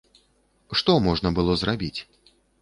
Што можна было зрабіць?